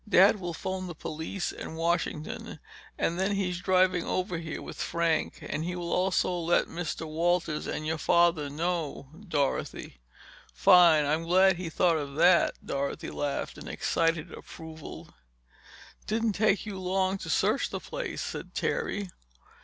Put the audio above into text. "Dad will phone the police and Washington. Then he's driving over here with Frank. And he will also let Mr. Walters and your father know, Dorothy." "Fine—I'm glad he thought of that!" Dorothy laughed in excited approval. "Didn't take you long to search the place," said Terry.